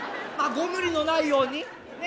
ご無理のないように。